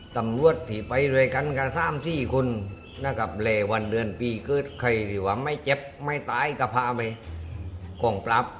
ตำรวจที่ไปด้วยกันกับ๓๔คนนะครับเลวันเดือนปีเกิดใครที่ว่าไม่เจ็บไม่ตายก็พาไปกองปรับ